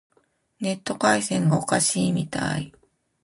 ネット回線がおかしいみたい。